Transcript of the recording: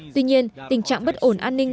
tuy nhiên tình trạng bất ổn an ninh